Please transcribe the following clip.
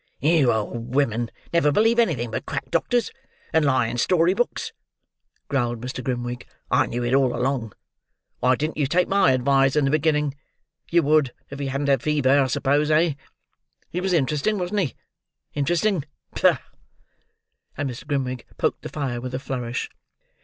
"You old women never believe anything but quack doctors, and lying story books," growled Mr. Grimwig. "I knew it all along. Why didn't you take my advise in the beginning; you would if he hadn't had a fever, I suppose, eh? He was interesting, wasn't he? Interesting! Bah!" And Mr. Grimwig poked the fire with a flourish.